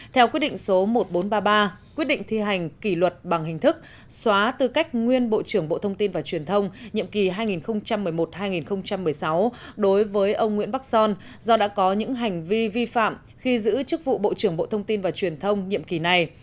theo quyết định số một nghìn bốn trăm ba mươi ba quyết định thi hành kỷ luật bằng hình thức xóa tư cách nguyên bộ trưởng bộ thông tin và truyền thông nhiệm kỳ hai nghìn một mươi một hai nghìn một mươi sáu đối với ông nguyễn bắc son do đã có những hành vi vi phạm khi giữ chức vụ bộ trưởng bộ thông tin và truyền thông nhiệm kỳ này